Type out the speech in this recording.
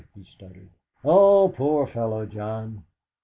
he stuttered. "Oh, poor fellow, John!"